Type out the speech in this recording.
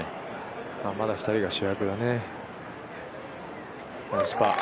まだ２人が主役だねナイスパー。